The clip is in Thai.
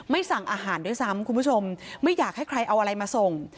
สั่งอาหารด้วยซ้ำคุณผู้ชมไม่อยากให้ใครเอาอะไรมาส่ง